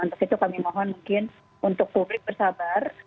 untuk itu kami mohon mungkin untuk publik bersabar